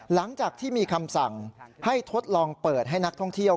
หลังจากที่มีคำสั่งให้ทดลองเปิดให้นักท่องเที่ยว